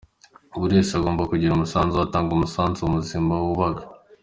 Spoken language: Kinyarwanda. Buri wese agomba kugira umusanzu we, atanga, umusanzu muzima wubaka.